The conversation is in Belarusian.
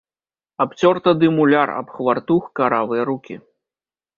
Абцёр тады муляр аб хвартух каравыя рукі.